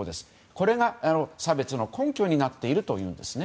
これが差別の根拠になっているというんです。